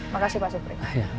makasih pak supri